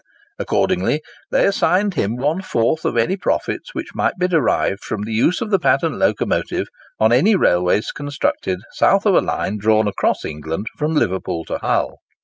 Accordingly they assigned him one fourth of any profits which might be derived from the use of the patent locomotive on any railways constructed south of a line drawn across England from Liverpool to Hull.